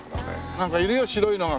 なんかいるよ白いのが。